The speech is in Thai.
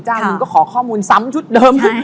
หนึ่งก็ขอข้อมูลซ้ำชุดเดิม